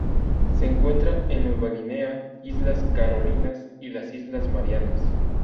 Se encuentra en Nueva Guinea, islas Carolinas y las islas Marianas.